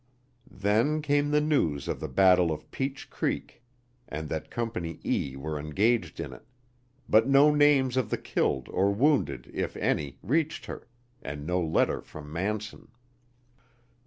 Then came the news of the battle of Peach Creek and that Company E were engaged in it; but no names of the killed or wounded, if any, reached her, and no letter from Manson.